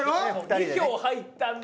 ２票入ったんで。